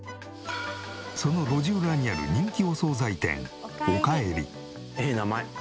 その路地裏にある人気お惣菜店「ええ名前」